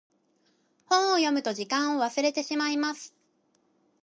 本を読むと時間を忘れてしまいます。